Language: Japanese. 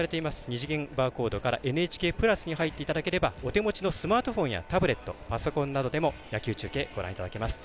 二次元バーコードからＮＨＫプラスに入っていただければお手持ちのスマートフォンやタブレットで野球中継、ご覧いただけます。